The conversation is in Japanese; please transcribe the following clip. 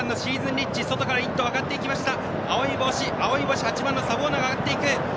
リッチ外から上がっていきました。